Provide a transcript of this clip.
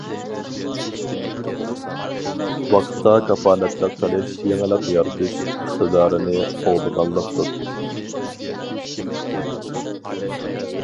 ۋاقىتقا كاپالەتلىك قىلىش يېڭىلىق يارىتىش ئىقتىدارىنى قوغدىغانلىقتۇر!